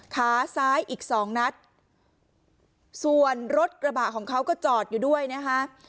ขาซ้ายอีกสองนัดส่วนรถกระบะของเขาก็จอดอยู่ด้วยนะคะ